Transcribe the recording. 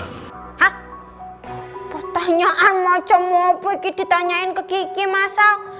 hah pertanyaan macam apa kiki ditanyain ke kiki mas al